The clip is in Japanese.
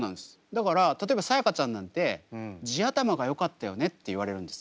だから例えばさやかちゃんなんて地頭がよかったよねって言われるんです。